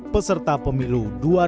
peserta pemilu dua ribu dua puluh